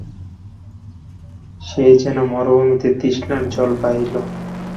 সে যেন মরুভূমিতে তৃষ্ণার জল পাইল।